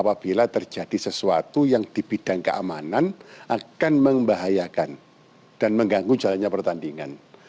apabila terjadi sesuatu yang di bidang keamanan akan membahayakan dan mengganggu jalannya pertandingan